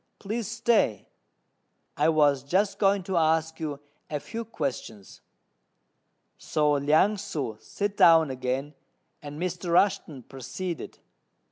Please stay: I was just going to ask you a few questions." So Liang ssŭ sat down again, and Mr. Rushten proceeded.